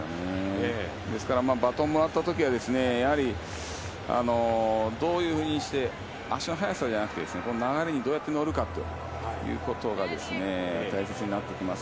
バトンもらった時はどういうふうにして足の速さじゃなくて流れにどうやってのるかということが大切になってきます。